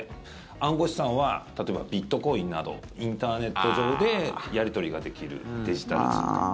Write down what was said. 暗号資産は例えばビットコインなどインターネット上でやり取りができるデジタル通貨。